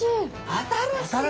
新しい！